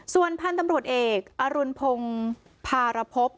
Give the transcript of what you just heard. ส่วนพันธุ์ตำรวจเอกอรุณพงศ์พารพบ